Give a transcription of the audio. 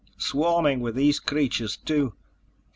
Swarming with these creatures, too.